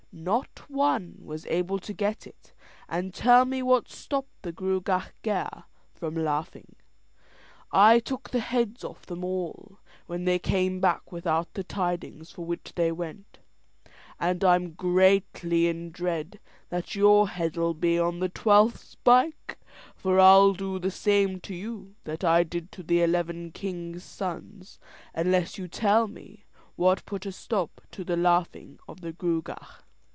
Not one was able to get it and tell me what stopped the Gruagach Gaire from laughing. I took the heads off them all when they came back without the tidings for which they went, and I'm greatly in dread that your head'll be on the twelfth spike, for I'll do the same to you that I did to the eleven kings' sons unless you tell what put a stop to the laughing of the Gruagach."